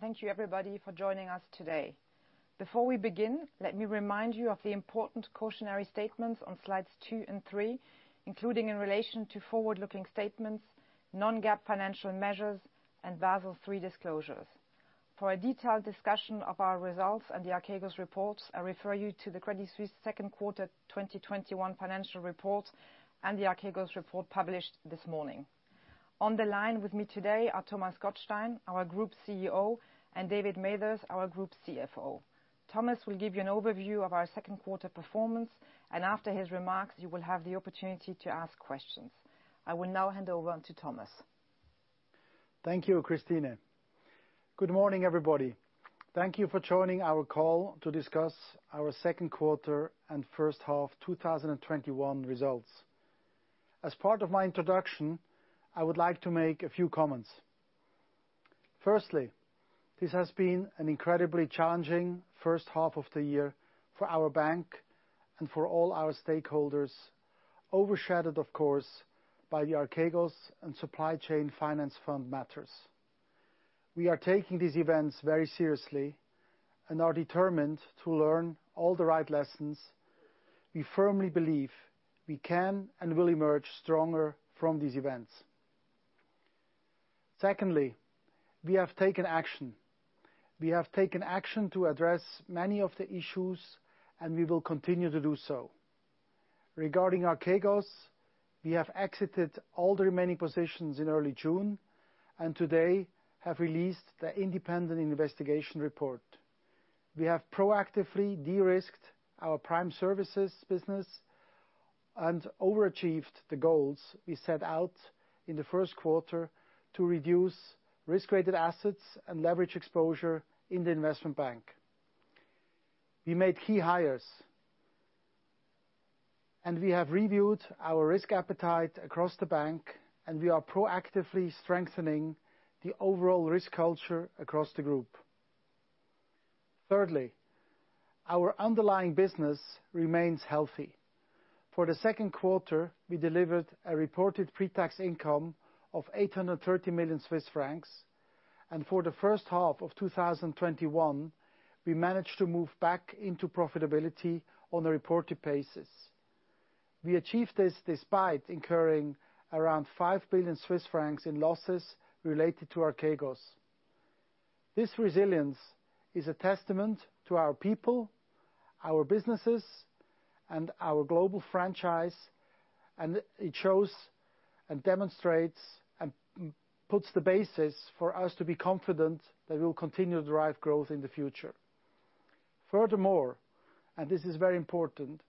Thank you everybody for joining us today. Before we begin, let me remind you of the important cautionary statements on slides two and three, including in relation to forward-looking statements, non-GAAP financial measures, and Basel III disclosures. For a detailed discussion of our results and the Archegos reports, I refer you to the Credit Suisse second quarter 2021 financial report and the Archegos report published this morning. On the line with me today are Thomas Gottstein, our Group CEO, and David Mathers, our Group CFO. Thomas will give you an overview of our second quarter performance, and after his remarks, you will have the opportunity to ask questions. I will now hand over to Thomas. Thank you, Christine. Good morning, everybody. Thank you for joining our call to discuss our second quarter and first half 2021 results. As part of my introduction, I would like to make a few comments. Firstly, this has been an incredibly challenging first half of the year for our bank and for all our stakeholders, overshadowed of course, by the Archegos and Supply Chain Finance Fund matters. We are taking these events very seriously and are determined to learn all the right lessons. We firmly believe we can and will emerge stronger from these events. Secondly, we have taken action. We have taken action to address many of the issues, and we will continue to do so. Regarding Archegos, we have exited all the remaining positions in early June, and today have released the independent investigation report. We have proactively de-risked our Prime Services business and overachieved the goals we set out in the first quarter to reduce risk-rated assets and leverage exposure in the investment bank. We made key hires, and we have reviewed our risk appetite across the bank, and we are proactively strengthening the overall risk culture across the group. Thirdly, our underlying business remains healthy. For the second quarter, we delivered a reported pre-tax income of 830 million Swiss francs, and for the first half of 2021, we managed to move back into profitability on a reported basis. We achieved this despite incurring around 5 billion Swiss francs in losses related to Archegos. This resilience is a testament to our people, our businesses, and our global franchise, and it shows and demonstrates and puts the basis for us to be confident that we will continue to drive growth in the future. Furthermore, this is very important,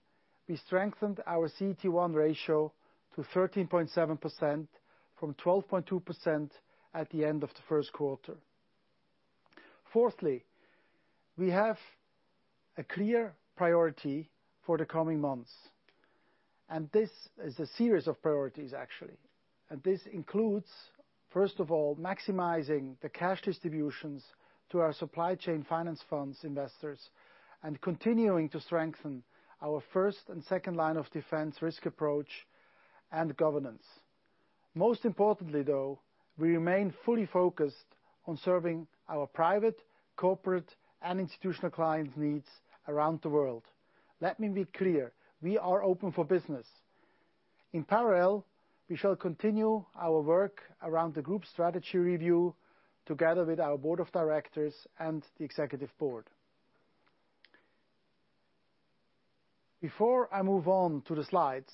we strengthened our CET1 ratio to 13.7% from 12.2% at the end of the first quarter. Fourthly, we have a clear priority for the coming months, this is a series of priorities actually. This includes, first of all, maximizing the cash distributions to our Supply Chain Finance Funds investors and continuing to strengthen our first and second line of defense risk approach and governance. Most importantly, though, we remain fully focused on serving our private, corporate, and institutional clients' needs around the world. Let me be clear, we are open for business. In parallel, we shall continue our work around the group strategy review together with our board of directors and the executive board. Before I move on to the slides,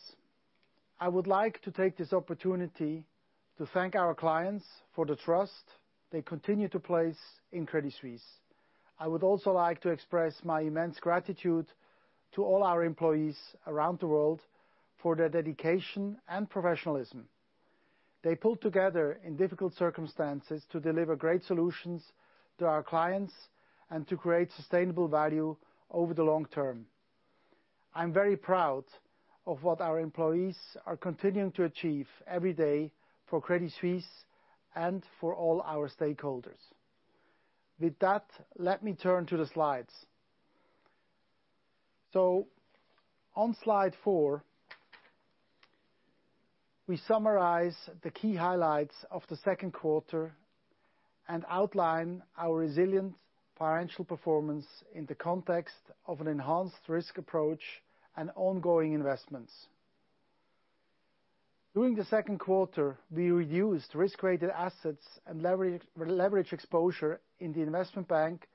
I would like to take this opportunity to thank our clients for the trust they continue to place in Credit Suisse. I would also like to express my immense gratitude to all our employees around the world for their dedication and professionalism. They pulled together in difficult circumstances to deliver great solutions to our clients and to create sustainable value over the long term. I'm very proud of what our employees are continuing to achieve every day for Credit Suisse and for all our stakeholders. Let me turn to the slides. On slide four, we summarize the key highlights of the second quarter and outline our resilient financial performance in the context of an enhanced risk approach and ongoing investments. During the second quarter, we reduced risk-rated assets and leverage exposure in the investment bank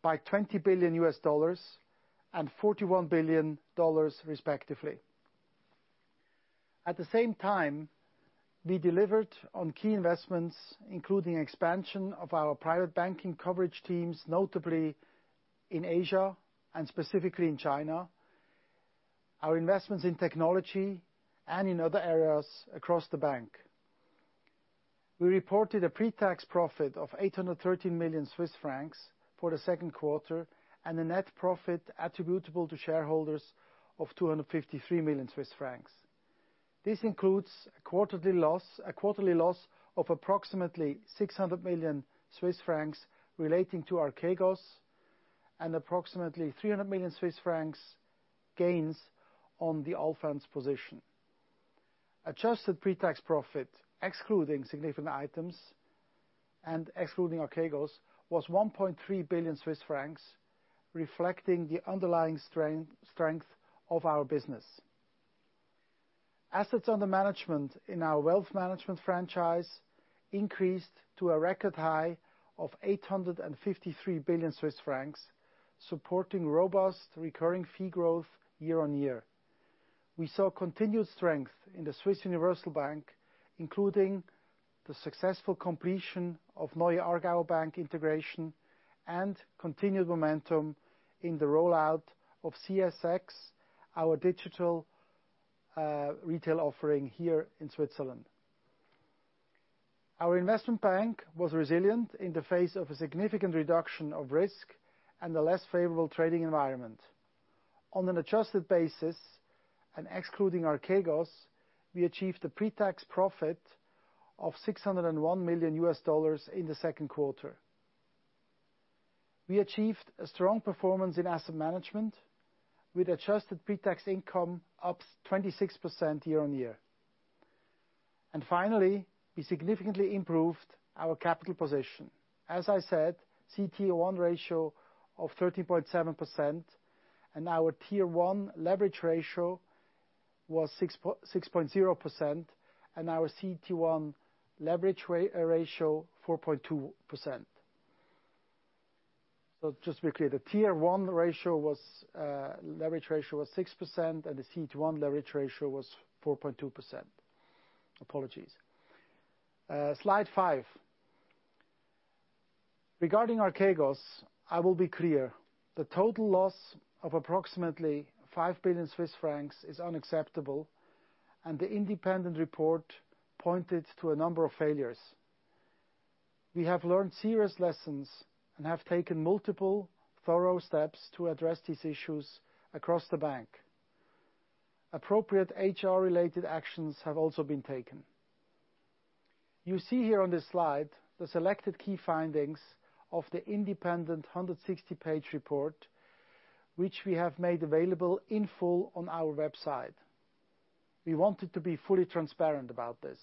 by $20 billion and CHF 41 billion respectively. At the same time, we delivered on key investments, including expansion of our private banking coverage teams, notably in Asia and specifically in China, our investments in technology, and in other areas across the bank. We reported a pre-tax profit of 813 million Swiss francs for the second quarter, and a net profit attributable to shareholders of 253 million Swiss francs. This includes a quarterly loss of approximately 600 million Swiss francs relating to Archegos and approximately 300 million Swiss francs gains on the Allfunds position. Adjusted pre-tax profit, excluding significant items and excluding Archegos, was 1.3 billion Swiss francs, reflecting the underlying strength of our business. Assets under management in our wealth management franchise increased to a record high of 853 billion Swiss francs, supporting robust recurring fee growth year-on-year. We saw continued strength in the Swiss Universal Bank, including the successful completion of Neue Aargauer Bank integration and continued momentum in the rollout of CSX, our digital retail offering here in Switzerland. Our investment bank was resilient in the face of a significant reduction of risk and a less favorable trading environment. On an adjusted basis, and excluding Archegos, we achieved a pre-tax profit of $601 million in the second quarter. We achieved a strong performance in asset management with adjusted pre-tax income up 26% year-on-year. Finally, we significantly improved our capital position. As I said, CET1 ratio of 13.7%, and our Tier 1 leverage ratio was 6.0%, and our CET1 leverage ratio 4.2%. Just to be clear, the Tier 1 leverage ratio was 6%, and the CET1 leverage ratio was 4.2%. Apologies. Slide five. Regarding Archegos, I will be clear, the total loss of approximately 5 billion Swiss francs is unacceptable. The independent report pointed to a number of failures. We have learned serious lessons. We have taken multiple thorough steps to address these issues across the bank. Appropriate HR-related actions have also been taken. You see here on this slide the selected key findings of the independent 160-page report, which we have made available in full on our website. We wanted to be fully transparent about this.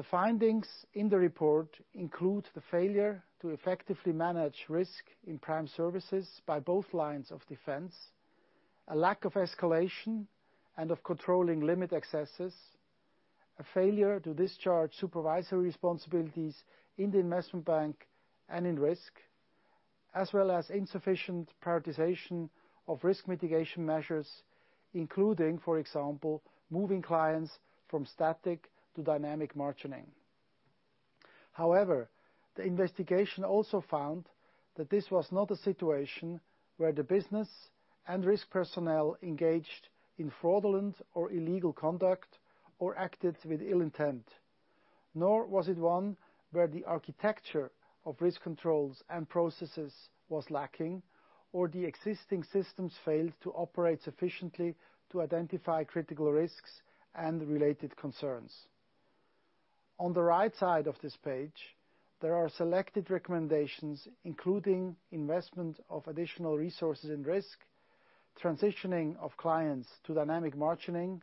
The findings in the report include the failure to effectively manage risk in Prime Services by both lines of defense, a lack of escalation and of controlling limit excesses, a failure to discharge supervisory responsibilities in the Investment Bank and in Risk, as well as insufficient prioritization of risk mitigation measures, including, for example, moving clients from static to dynamic margining. However, the investigation also found that this was not a situation where the business and risk personnel engaged in fraudulent or illegal conduct or acted with ill intent. Nor was it one where the architecture of risk controls and processes was lacking, or the existing systems failed to operate sufficiently to identify critical risks and related concerns. On the right side of this page, there are selected recommendations, including investment of additional resources in risk, transitioning of clients to dynamic margining,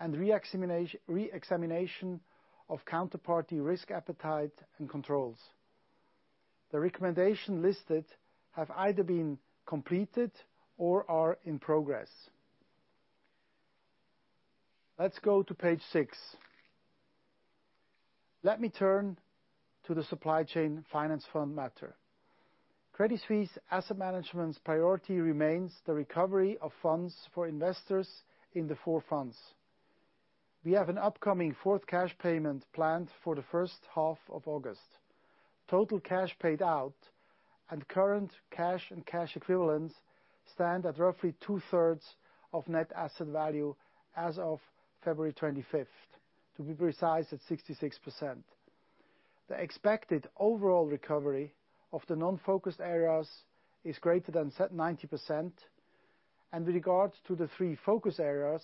and re-examination of counterparty risk appetite and controls. The recommendations listed have either been completed or are in progress. Let's go to page six. Let me turn to the Supply Chain Finance Fund matter. Credit Suisse Asset Management's priority remains the recovery of funds for investors in the four funds. We have an upcoming fourth cash payment planned for the first half of August. Total cash paid out and current cash and cash equivalents stand at roughly 2/3 of net asset value as of February 25th. To be precise, at 66%. The expected overall recovery of the non-focused areas is greater than 90%. With regards to the three focus areas,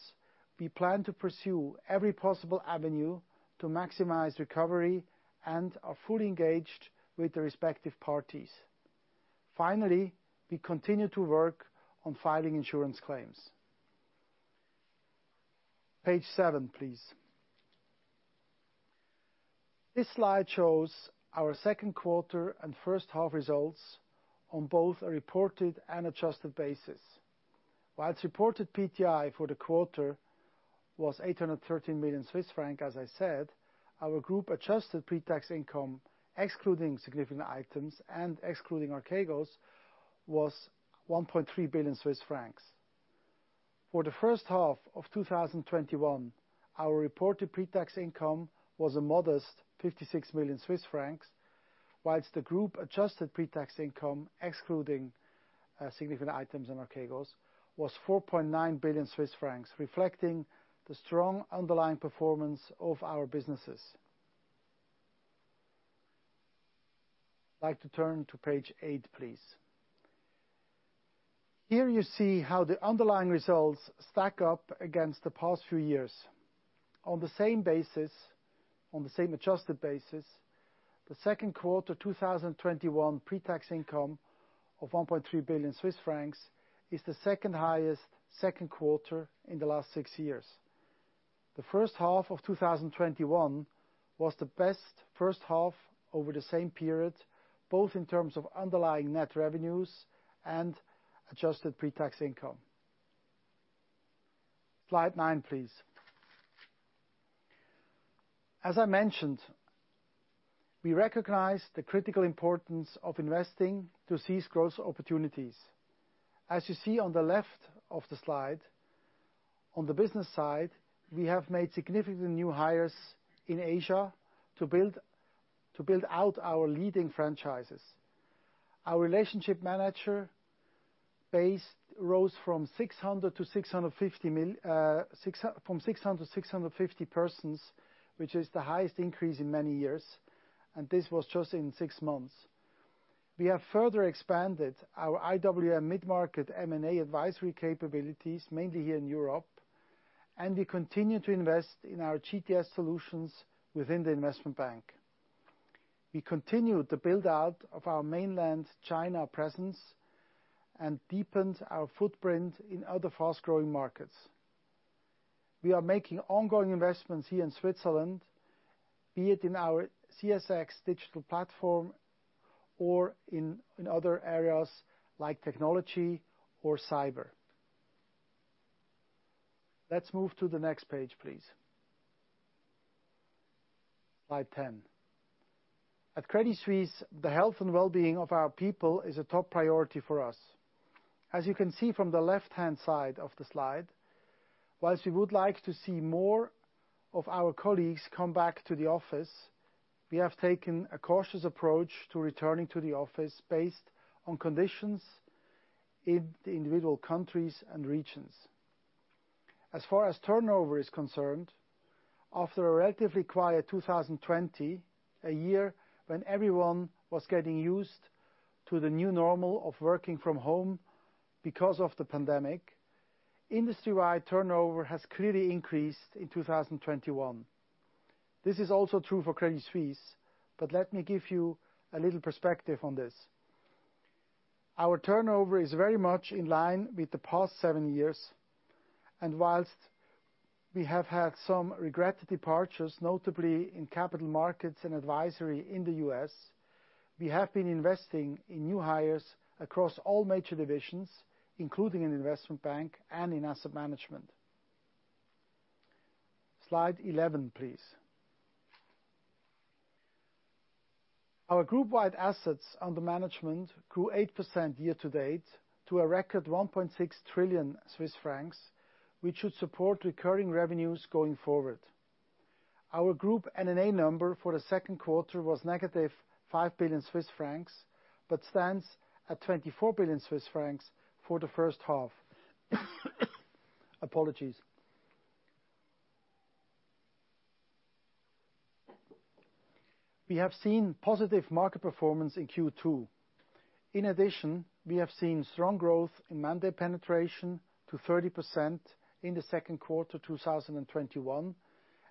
we plan to pursue every possible avenue to maximize recovery and are fully engaged with the respective parties. Finally, we continue to work on filing insurance claims. Page seven, please. This slide shows our second quarter and first half results on both a reported and adjusted basis. Whilst reported PTI for the quarter was 813 million Swiss franc, as I said, our group-adjusted pre-tax income, excluding significant items and excluding Archegos, was 1.3 billion Swiss francs. For the first half of 2021, our reported pre-tax income was a modest 56 million Swiss francs, whilst the group-adjusted pre-tax income, excluding significant items and Archegos, was 4.9 billion Swiss francs, reflecting the strong underlying performance of our businesses. I'd like to turn to page eight, please. Here you see how the underlying results stack up against the past few years. On the same adjusted basis, the second quarter 2021 pre-tax income of 1.3 billion Swiss francs is the second highest second quarter in the last six years. The first half of 2021 was the best first half over the same period, both in terms of underlying net revenues and adjusted pre-tax income. Slide nine, please. As I mentioned, we recognize the critical importance of investing to seize growth opportunities. As you see on the left of the slide, on the business side, we have made significant new hires in Asia to build out our leading franchises. Our relationship manager base rose from 600 to 650 persons, which is the highest increase in many years, and this was just in six months. We have further expanded our IWM mid-market M&A advisory capabilities, mainly here in Europe, and we continue to invest in our GTS Solutions within the investment bank. We continued the build-out of our mainland China presence and deepened our footprint in other fast-growing markets. We are making ongoing investments here in Switzerland, be it in our CSX digital platform or in other areas like technology or cyber. Let's move to the next page, please. Slide 10. At Credit Suisse, the health and well-being of our people is a top priority for us. As you can see from the left-hand side of the slide, whilst we would like to see more of our colleagues come back to the office, we have taken a cautious approach to returning to the office based on conditions in the individual countries and regions. As far as turnover is concerned, after a relatively quiet 2020, a year when everyone was getting used to the new normal of working from home because of the pandemic, industry-wide turnover has clearly increased in 2021. This is also true for Credit Suisse, but let me give you a little perspective on this. Our turnover is very much in line with the past seven years, and whilst we have had some regretted departures, notably in capital markets and advisory in the U.S., we have been investing in new hires across all major divisions, including in Investment Bank and in Asset Management. Slide 11, please. Our group-wide assets under management grew 8% year-to-date to a record 1.6 trillion Swiss francs, which should support recurring revenues going forward. Our group NNA number for the second quarter was -5 billion Swiss francs, but stands at 24 billion Swiss francs for the first half. Apologies. We have seen positive market performance in Q2. In addition, we have seen strong growth in mandate penetration to 30% in the second quarter 2021,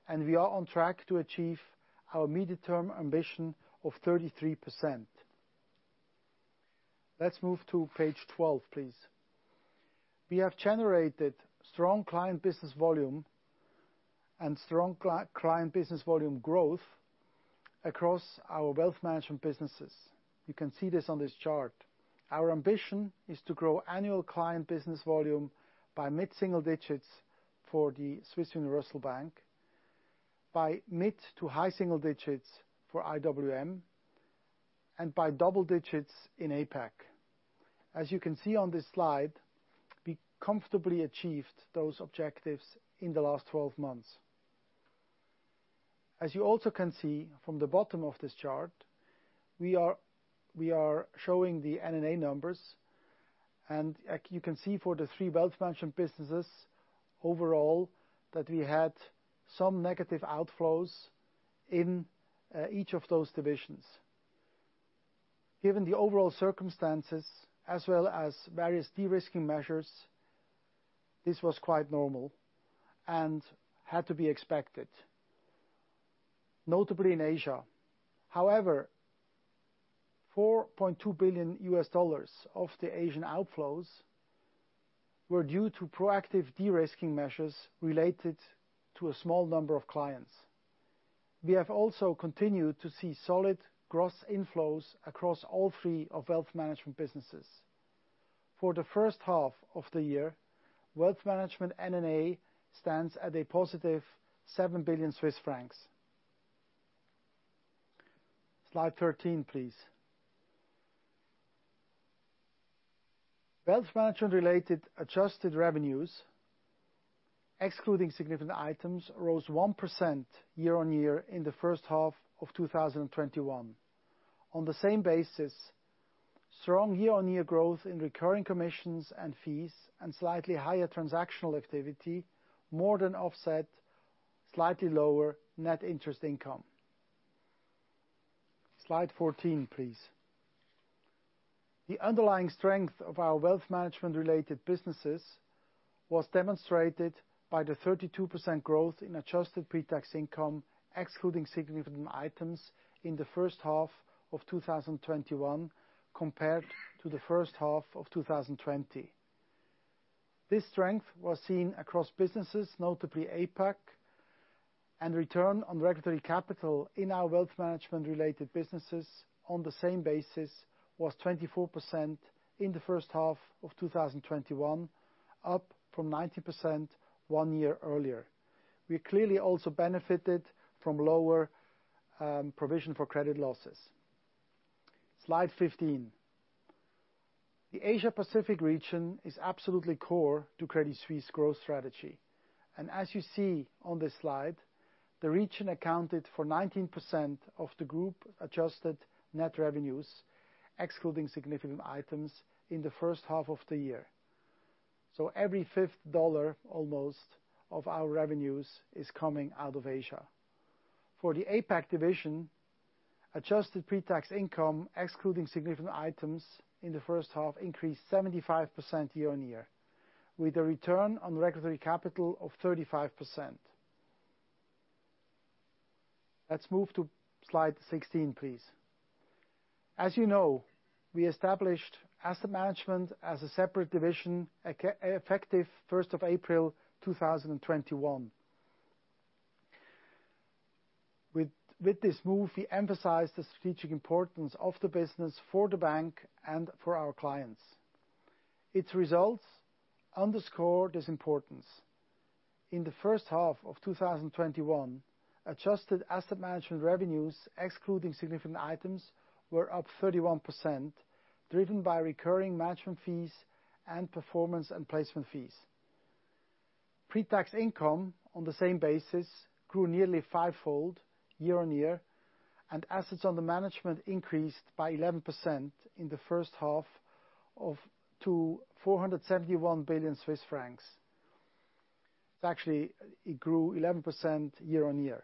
and we are on track to achieve our midterm ambition of 33%. Let's move to page 12, please. We have generated strong client business volume and strong client business volume growth across our wealth management businesses. You can see this on this chart. Our ambition is to grow annual client business volume by mid-single digits for the Swiss Universal Bank, by mid to high single digits for IWM, and by double digits in APAC. As you can see on this slide, we comfortably achieved those objectives in the last 12 months. As you also can see from the bottom of this chart, we are showing the NNA numbers, and you can see for the three Wealth Management businesses overall that we had some negative outflows in each of those divisions. Given the overall circumstances, as well as various de-risking measures, this was quite normal and had to be expected, notably in Asia. However, $4.2 billion of the Asian outflows were due to proactive de-risking measures related to a small number of clients. We have also continued to see solid gross inflows across all three of Wealth Management businesses. For the first half of the year, Wealth Management NNA stands at a +7 billion Swiss francs. Slide 13, please. Wealth management-related adjusted revenues, excluding significant items, rose 1% year-on-year in the first half of 2021. On the same basis, strong year-on-year growth in recurring commissions and fees and slightly higher transactional activity more than offset slightly lower net interest income. Slide 14, please. The underlying strength of our wealth management-related businesses was demonstrated by the 32% growth in adjusted pre-tax income, excluding significant items, in the first half of 2021 compared to the first half of 2020. This strength was seen across businesses, notably APAC, and return on regulatory capital in our wealth management-related businesses on the same basis was 24% in the first half of 2021, up from 19% one year earlier. We clearly also benefited from lower provision for credit losses. Slide 15. The Asia-Pacific region is absolutely core to Credit Suisse growth strategy. As you see on this slide, the region accounted for 19% of the Group-adjusted net revenues, excluding significant items, in the first half of the year. Every fifth dollar almost of our revenues is coming out of Asia. For the APAC division, adjusted pre-tax income, excluding significant items in the first half, increased 75% year-on-year, with a return on regulatory capital of 35%. Let's move to slide 16, please. As you know, we established Asset Management as a separate division effective 1st of April 2021. With this move, we emphasize the strategic importance of the business for the bank and for our clients. Its results underscore this importance. In the first half of 2021, adjusted Asset Management revenues, excluding significant items, were up 31%, driven by recurring management fees and performance and placement fees. Pre-tax income on the same basis grew nearly five fold year-over-year, and assets under management increased by 11% in the first half to 471 billion Swiss francs. Actually, it grew 11% year-over-year.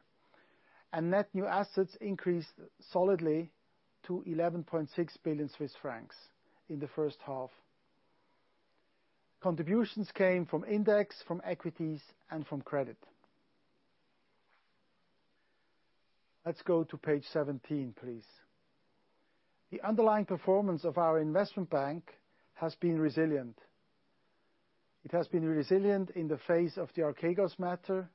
Net new assets increased solidly to 11.6 billion Swiss francs in the first half. Contributions came from index, from equities, and from credit. Let's go to page 17, please. The underlying performance of our Investment Bank has been resilient. It has been resilient in the face of the Archegos matter,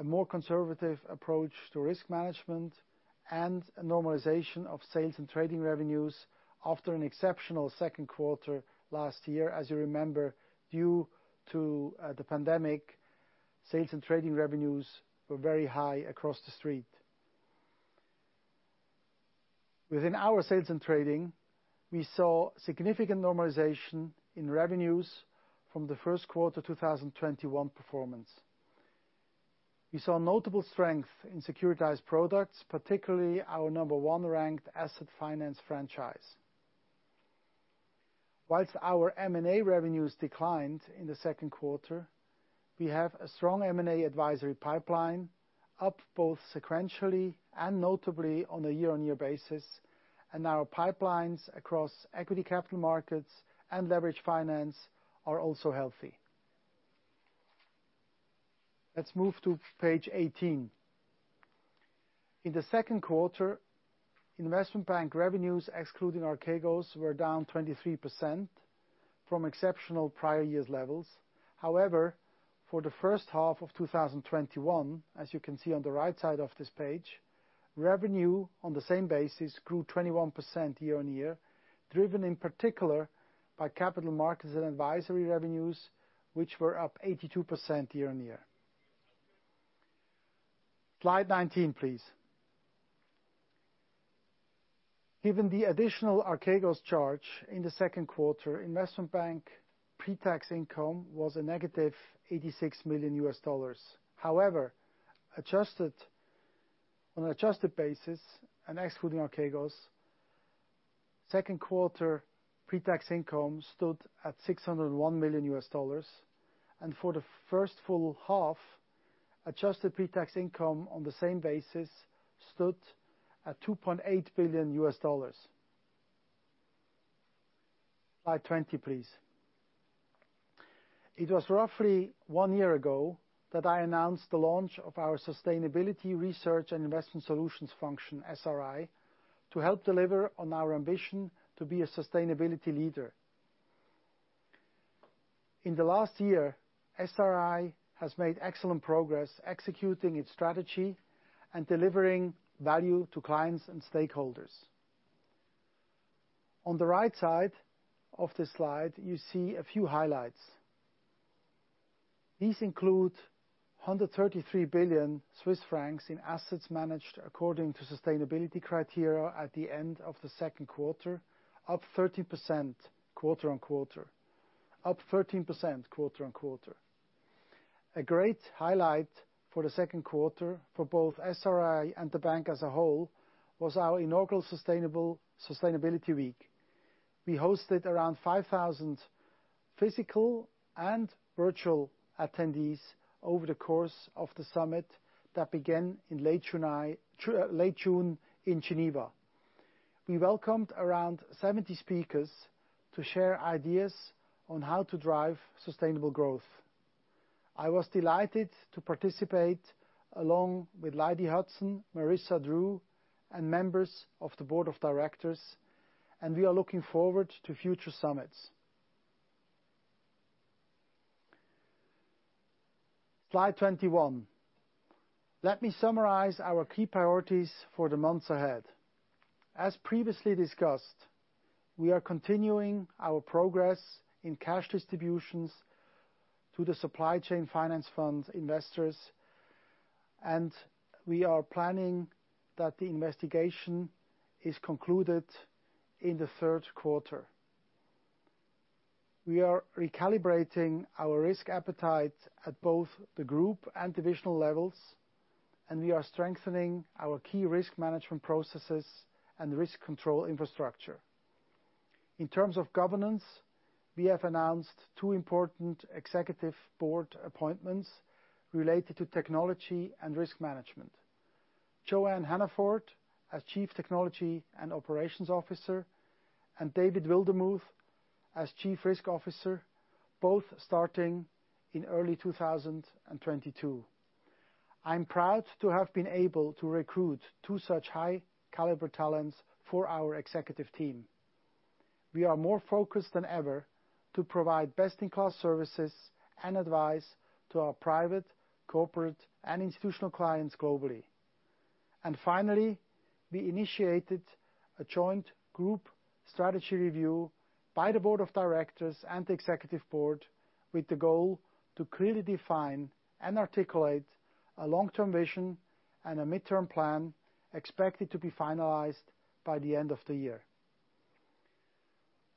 a more conservative approach to risk management, and a normalization of sales and trading revenues after an exceptional second quarter last year. As you remember, due to the pandemic, sales and trading revenues were very high across the street. Within our sales and trading, we saw significant normalization in revenues from the first quarter 2021 performance. We saw notable strength in securitized products, particularly our number one-ranked asset finance franchise. Our M&A revenues declined in the second quarter, we have a strong M&A advisory pipeline, up both sequentially and notably on a year-on-year basis, and our pipelines across equity capital markets and leverage finance are also healthy. Let's move to page 18. In the second quarter, investment bank revenues, excluding Archegos, were down 23% from exceptional prior years levels. For the first half of 2021, as you can see on the right side of this page, revenue on the same basis grew 21% year-on-year, driven in particular by capital markets and advisory revenues, which were up 82% year-on-year. Slide 19, please. The additional Archegos charge in the second quarter, investment bank pre-tax income was a -$86 million. However, on an adjusted basis and excluding Archegos, second quarter pre-tax income stood at $601 million. For the first full half, adjusted pre-tax income on the same basis stood at $2.8 billion. Slide 20, please. It was roughly one year ago that I announced the launch of our Sustainability, Research & Investment Solutions function, SRI, to help deliver on our ambition to be a sustainability leader. In the last year, SRI has made excellent progress executing its strategy and delivering value to clients and stakeholders. On the right side of this slide, you see a few highlights. These include 133 billion Swiss francs in assets managed according to sustainability criteria at the end of the second quarter, up 13% quarter-on-quarter. A great highlight for the second quarter for both SRI and the bank as a whole was our inaugural Sustainability Week. We hosted around 5,000 physical and virtual attendees over the course of the summit that began in late June in Geneva. We welcomed around 70 speakers to share ideas on how to drive sustainable growth. I was delighted to participate along with Lydie Hudson, Marisa Drew, and members of the board of directors. We are looking forward to future summits. Slide 21. Let me summarize our key priorities for the months ahead. As previously discussed, we are continuing our progress in cash distributions to the Supply Chain Finance Fund investors. We are planning that the investigation is concluded in the third quarter. We are recalibrating our risk appetite at both the group and divisional levels. We are strengthening our key risk management processes and risk control infrastructure. In terms of governance, we have announced two important Executive Board appointments related to technology and risk management. Joanne Hannaford as Chief Technology and Operations Officer, and David Wildermuth as Chief Risk Officer, both starting in early 2022. I'm proud to have been able to recruit two such high-caliber talents for our Executive Team. We are more focused than ever to provide best-in-class services and advice to our private, corporate, and institutional clients globally. We initiated a joint group strategy review by the Board of Directors and the Executive Board with the goal to clearly define and articulate a long-term vision and a midterm plan expected to be finalized by the end of the year.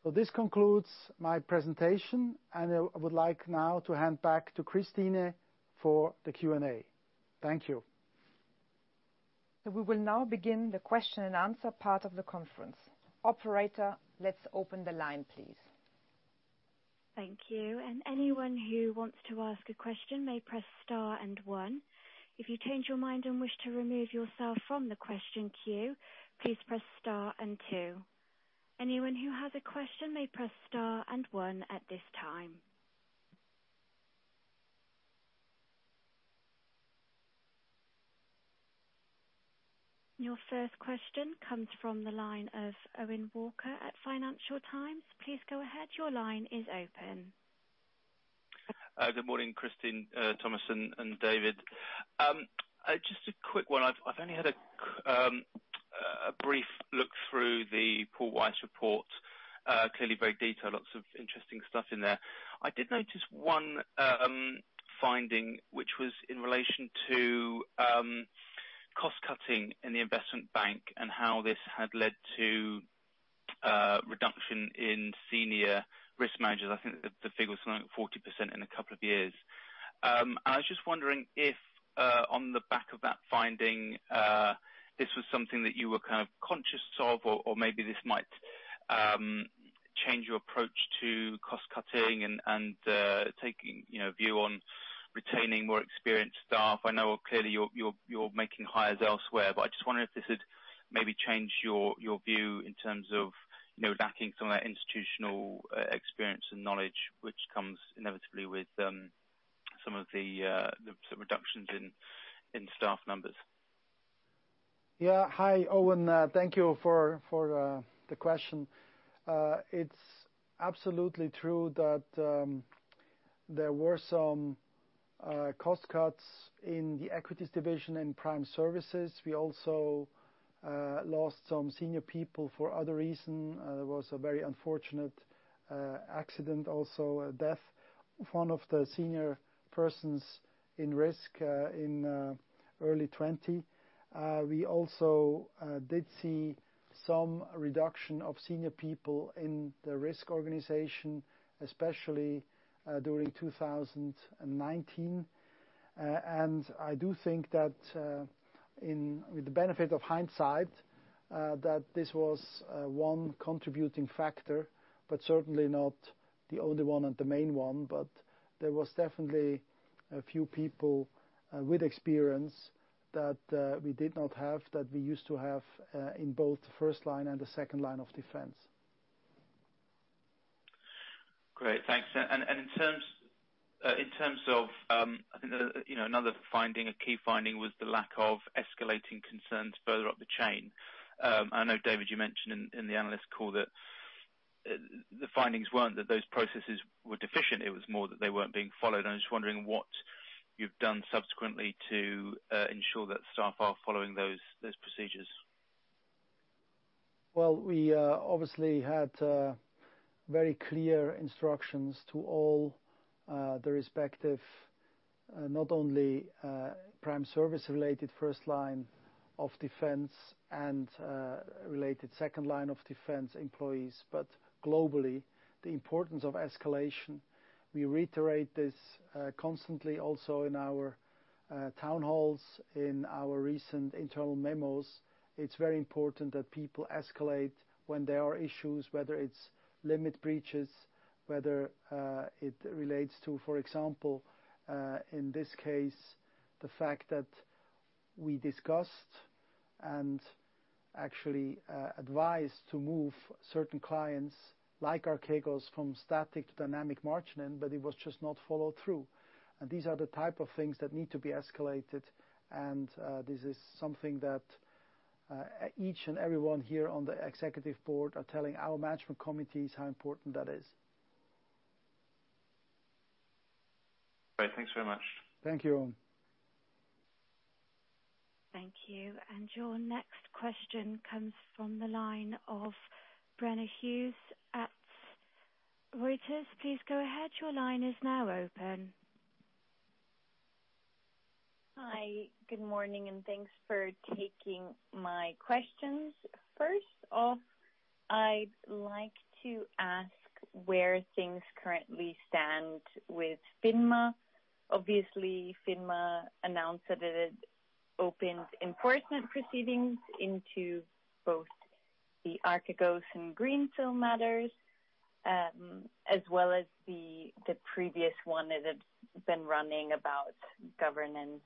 This concludes my presentation, and I would like now to hand back to Christine for the Q&A. Thank you. We will now begin the question and answer part of the conference. Operator, let's open the line, please. Your first question comes from the line of Owen Walker at Financial Times. Please go ahead. Your line is open. Good morning, Christine, Thomas, and David. Just a quick one. I've only had a brief look through the Paul, Weiss report. Clearly very detailed, lots of interesting stuff in there. I did notice one finding, which was in relation to cost-cutting in the Investment Bank and how this had led to a reduction in senior risk managers. I think the figure was something like 40% in two years. I was just wondering if, on the back of that finding, this was something that you were kind of conscious of, or maybe this might change your approach to cost-cutting and taking a view on retaining more experienced staff. I know clearly you're making hires elsewhere, but I just wonder if this had maybe changed your view in terms of lacking some of that institutional experience and knowledge, which comes inevitably with some of the reductions in staff numbers. Hi, Owen. Thank you for the question. It's absolutely true that there were some cost cuts in the equities division and Prime Services. We also lost some senior people for other reason. There was a very unfortunate accident, also a death of one of the senior persons in risk in early 2020. We also did see some reduction of senior people in the risk organization, especially during 2019. I do think that with the benefit of hindsight, that this was one contributing factor, but certainly not the only one and the main one. There was definitely a few people with experience that we did not have, that we used to have, in both the first line and the second line of defense. Great. Thanks. In terms of, I think, another finding or key finding was the lack of escalating concerns further up the chain. I know, David, you mentioned in the Analyst Call that the findings weren't that those processes were deficient, it was more that they weren't being followed. I'm just wondering what you've done subsequently to ensure that staff are following those procedures? Well, we obviously had very clear instructions to all the respective, not only Prime Services-related first line of defense and related second line of defense employees, but globally, the importance of escalation. We reiterate this constantly also in our town halls, in our recent internal memos. It's very important that people escalate when there are issues, whether it's limit breaches, whether it relates to, for example, in this case, the fact that we discussed and actually advised to move certain clients like Archegos from static to dynamic margining, but it was just not followed through. These are the type of things that need to be escalated, and this is something that each and everyone here on the Executive Board are telling our Management Committees how important that is. Great. Thanks very much. Thank you. Thank you. Your next question comes from the line of Brenna Hughes at Reuters. Please go ahead. Your line is now open. Hi, good morning, and thanks for taking my questions. First off, I'd like to ask where things currently stand with FINMA. Obviously, FINMA announced that it had opened enforcement proceedings into both the Archegos and Greensill matters, as well as the previous one that had been running about governance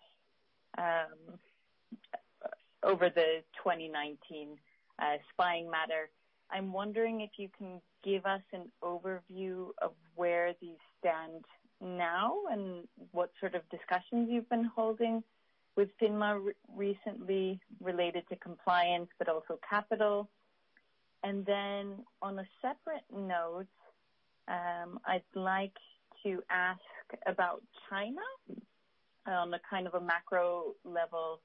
over the 2019 spying matter. I'm wondering if you can give us an overview of where these stand now and what sort of discussions you've been holding with FINMA recently related to compliance, but also capital. On a separate note, I'd like to ask about China on a macro level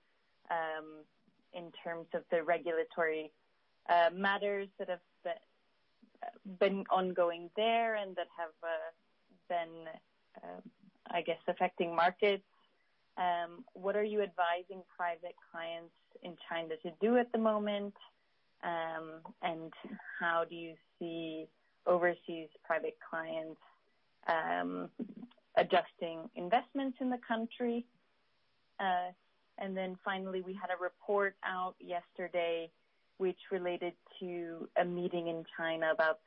in terms of the regulatory matters that have been ongoing there and that have been, I guess, affecting markets. What are you advising private clients in China to do at the moment? How do you see overseas private clients adjusting investments in the country? Finally, we had a report out yesterday which related to a meeting in China that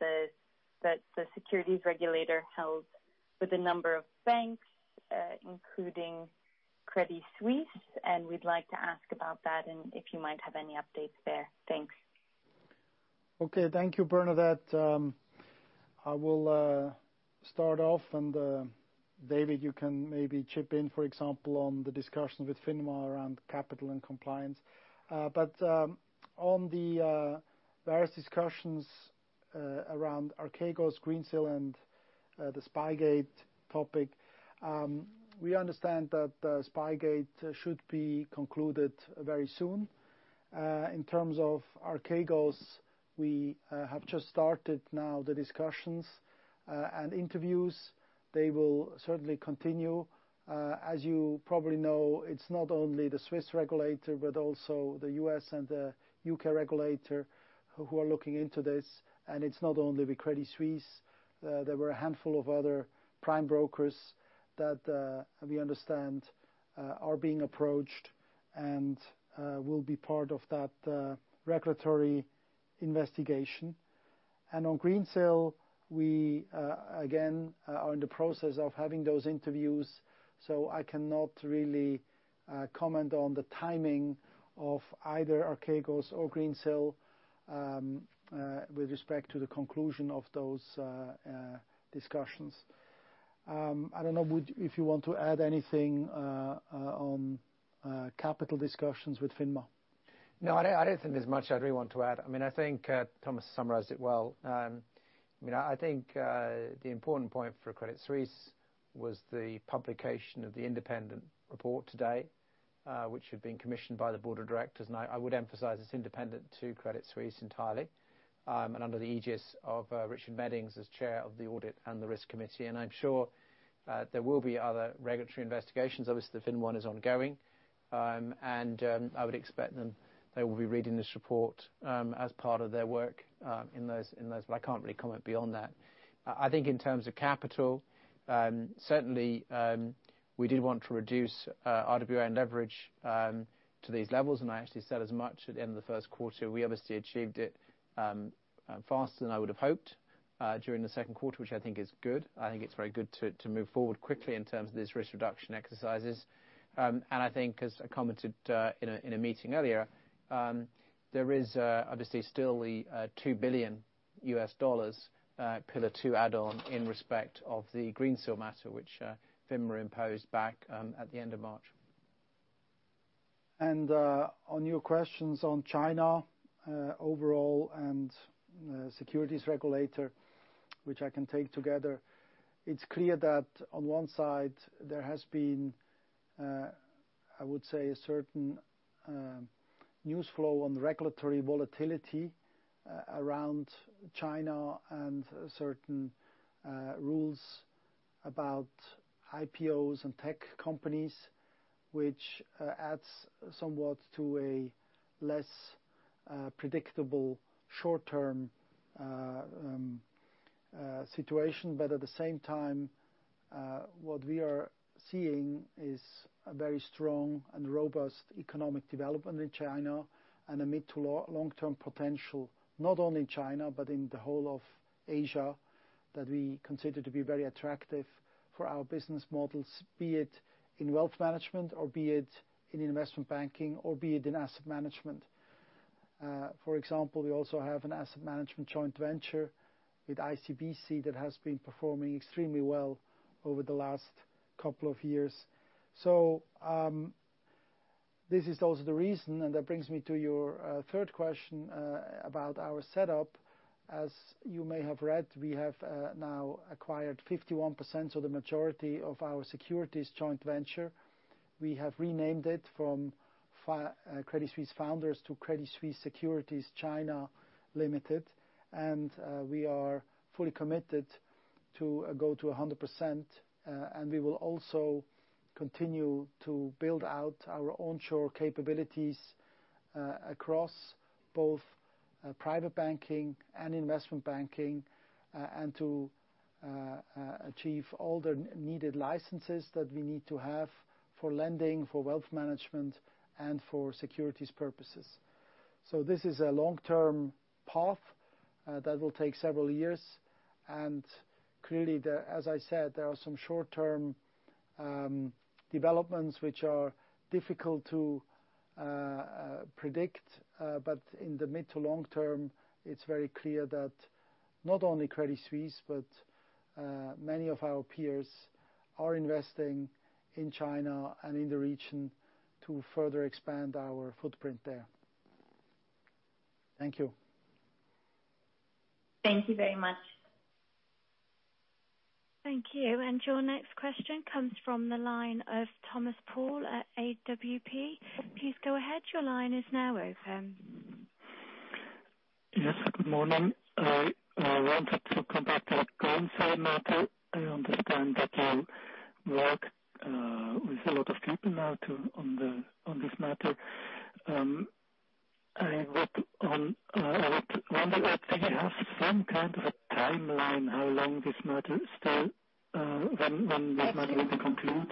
the securities regulator held with a number of banks, including Credit Suisse, and we'd like to ask about that and if you might have any updates there. Thanks. Okay. Thank you, Brenna. I will start off and, David, you can maybe chip in, for example, on the discussion with FINMA around capital and compliance. On the various discussions around Archegos, Greensill, and the Spygate topic, we understand that Spygate should be concluded very soon. In terms of Archegos, we have just started now the discussions and interviews. They will certainly continue. As you probably know, it's not only the Swiss regulator, but also the U.S. and the U.K. regulator who are looking into this, and it's not only with Credit Suisse. There were a handful of other prime brokers that we understand are being approached and will be part of that regulatory investigation. On Greensill, we again are in the process of having those interviews, so I cannot really comment on the timing of either Archegos or Greensill with respect to the conclusion of those discussions. I don't know if you want to add anything on capital discussions with FINMA. No, I don't think there's much I really want to add. I think Thomas summarized it well. I think the important point for Credit Suisse was the publication of the independent report today, which had been commissioned by the board of directors. I would emphasize it's independent to Credit Suisse entirely, under the aegis of Richard Meddings as Chair of the Group Audit Committee and the Risk Committee. I'm sure there will be other regulatory investigations. Obviously, the FINMA is ongoing. I would expect they will be reading this report as part of their work in those, but I can't really comment beyond that. I think in terms of capital, certainly, we did want to reduce RWA and leverage to these levels, and I actually said as much at the end of the first quarter. We obviously achieved it faster than I would have hoped during the second quarter, which I think is good. I think it's very good to move forward quickly in terms of these risk reduction exercises. I think as I commented in a meeting earlier, there is obviously still the $2 billion Pillar 2 add-on in respect of the Greensill matter, which FINMA imposed back at the end of March. On your questions on China overall and securities regulator, which I can take together. It's clear that on one side, I would say, a certain news flow on regulatory volatility around China and certain rules about IPOs and tech companies, which adds somewhat to a less predictable short-term situation. At the same time, what we are seeing is a very strong and robust economic development in China and a mid-to-long-term potential, not only China but in the whole of Asia, that we consider to be very attractive for our business models, be it in wealth management, or be it in investment banking, or be it in asset management. For example, we also have an asset management joint venture with ICBC that has been performing extremely well over the last couple of years. This is also the reason, and that brings me to your third question about our setup. As you may have read, we have now acquired 51%, so the majority of our securities joint venture. We have renamed it from Credit Suisse Founders to Credit Suisse Securities (China) Limited, and we are fully committed to go to 100%. We will also continue to build out our onshore capabilities across both private banking and investment banking, and to achieve all the needed licenses that we need to have for lending, for wealth management, and for securities purposes. This is a long-term path that will take several years. Clearly, as I said, there are some short-term developments which are difficult to predict. In the mid to long term, it's very clear that not only Credit Suisse, but many of our peers are investing in China and in the region to further expand our footprint there. Thank you. Thank you very much. Thank you. Your next question comes from the line of Thomas Paul at AWP. Please go ahead. Yes, good morning. I wanted to come back to that Greensill matter. I understand that you work with a lot of people now too, on this matter. I would wonder, do you have some kind of a timeline of how long this matter stand? When this matter will be concluded?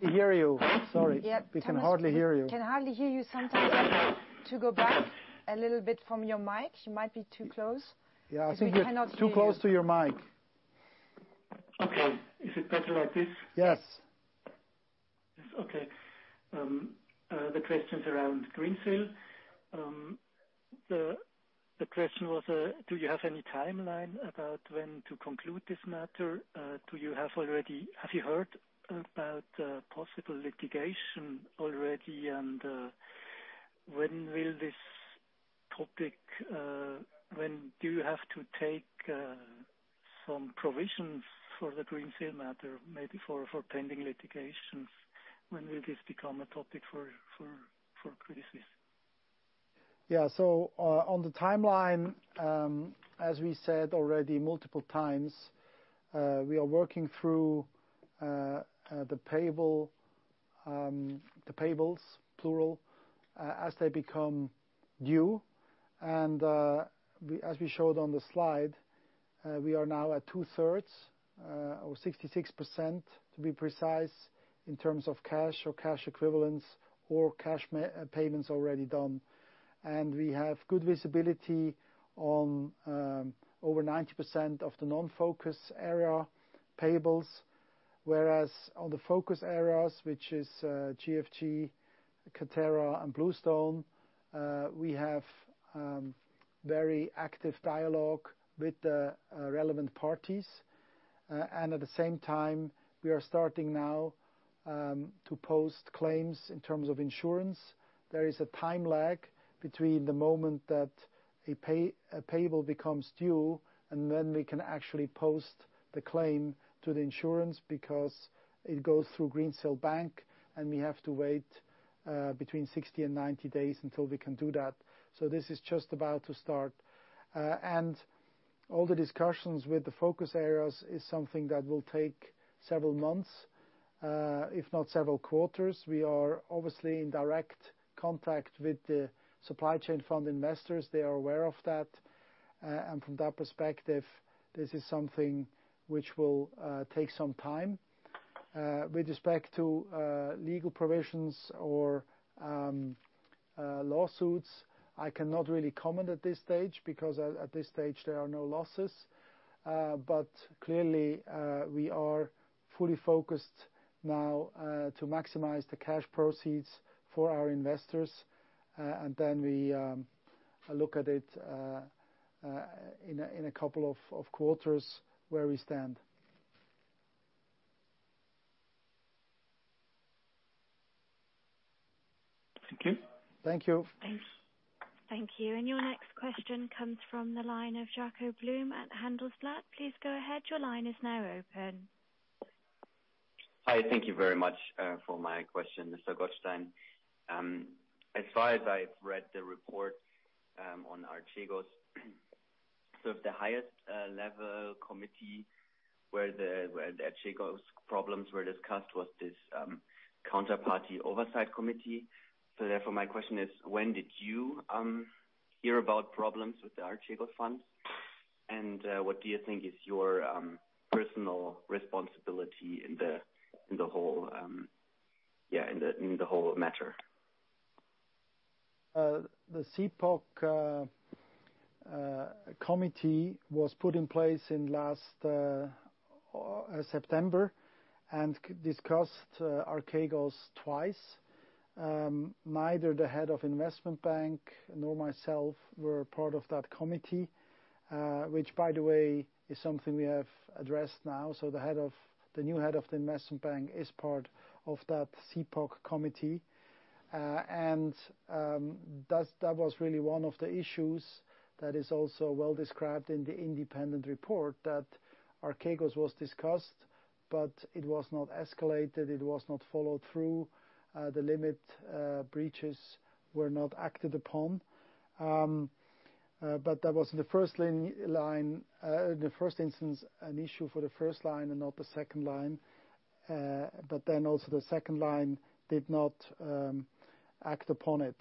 We can hardly hear you. Sorry. Yeah. We can hardly hear you. Can hardly hear you sometimes. To go back a little bit from your mic. You might be too close. Yeah, I think. We cannot hear you. too close to your mic. Okay. Is it better like this? Yes. Yes. Okay. The questions around Greensill. The question was, do you have any timeline about when to conclude this matter? Have you heard about possible litigation already? When do you have to take some provisions for the Greensill matter? Maybe for pending litigations. When will this become a topic for Credit Suisse? On the timeline, as we said already multiple times, we are working through the payables, plural, as they become due. As we showed on the slide, we are now at 2/3, or 66%, to be precise, in terms of cash or cash equivalents or cash payments already done. We have good visibility on over 90% of the non-focus area payables. Whereas on the focus areas, which is GFG, Katerra, and Bluestone, we have very active dialogue with the relevant parties. At the same time, we are starting now to post claims in terms of insurance. There is a time lag between the moment that a payable becomes due and when we can actually post the claim to the insurance, because it goes through Greensill Bank and we have to wait between 60 and 90 days until we can do that. This is just about to start. All the discussions with the focus areas is something that will take several months, if not several quarters. We are obviously in direct contact with the Supply Chain Finance Fund investors. They are aware of that. From that perspective, this is something which will take some time. With respect to legal provisions or lawsuits, I cannot really comment at this stage, because at this stage there are no losses. Clearly, we are fully focused now to maximize the cash proceeds for our investors. We look at it in a couple of quarters where we stand. Thank you. Thank you. Thanks. Thank you. Your next question comes from the line of Jakob Blume at Handelsblatt. Please go ahead. Your line is now open. Hi. Thank you very much for my question, Mr. Gottstein. As far as I've read the report on Archegos, so if the highest level committee where the Archegos problems were discussed was this counterparty oversight committee. Therefore, my question is, when did you hear about problems with the Archegos fund? What do you think is your personal responsibility in the whole matter? The CPOC Committee was put in place in last September and discussed Archegos twice. Neither the head of Investment Bank nor myself were part of that committee. By the way, is something we have addressed now. The new head of the Investment Bank is part of that CPOC Committee. That was really one of the issues that is also well-described in the independent report that Archegos was discussed, but it was not escalated, it was not followed through. The limit breaches were not acted upon. That was the first instance, an issue for the first line and not the second line. Also the second line did not act upon it.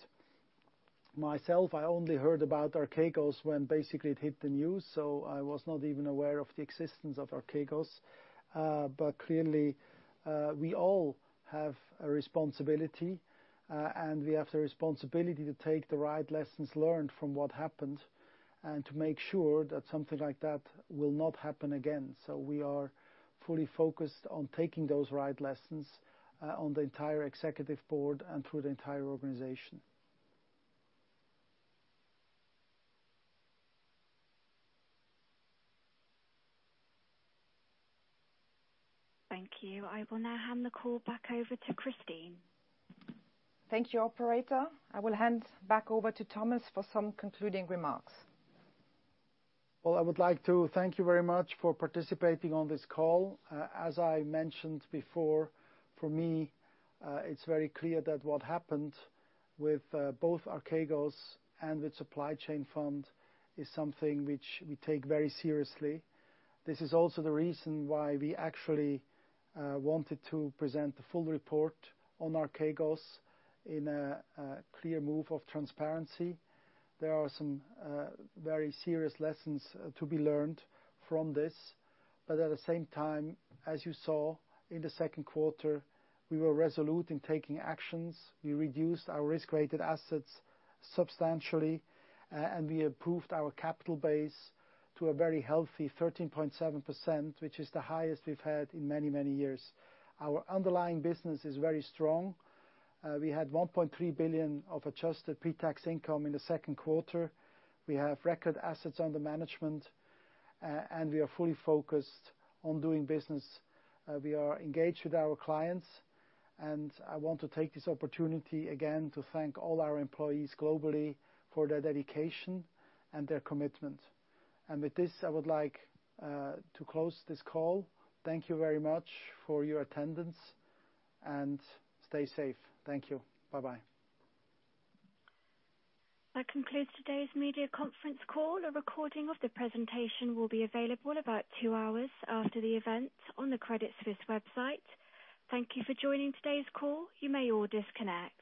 Myself, I only heard about Archegos when basically it hit the news, so I was not even aware of the existence of Archegos. Clearly, we all have a responsibility, and we have the responsibility to take the right lessons learned from what happened and to make sure that something like that will not happen again. We are fully focused on taking those right lessons, on the entire executive board and through the entire organization. Thank you. I will now hand the call back over to Christine. Thank you, operator. I will hand back over to Thomas for some concluding remarks. Well, I would like to thank you very much for participating on this call. As I mentioned before, for me, it's very clear that what happened with both Archegos and with Supply Chain Fund is something which we take very seriously. This is also the reason why we actually wanted to present the full report on Archegos in a clear move of transparency. There are some very serious lessons to be learned from this. At the same time, as you saw in the second quarter, we were resolute in taking actions. We reduced our risk-weighted assets substantially. We improved our capital base to a very healthy 13.7%, which is the highest we've had in many, many years. Our underlying business is very strong. We had 1.3 billion of adjusted pre-tax income in the second quarter. We have record assets under management. We are fully focused on doing business. We are engaged with our clients. I want to take this opportunity again to thank all our employees globally for their dedication and their commitment. With this, I would like to close this call. Thank you very much for your attendance and stay safe. Thank you. Bye-bye. That concludes today's Media Conference Call. A recording of the presentation will be available about two hours after the event on the Credit Suisse website. Thank you for joining today's call. You may all disconnect.